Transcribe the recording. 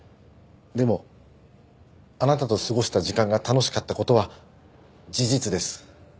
でもあなたと過ごした時間が楽しかった事は事実です。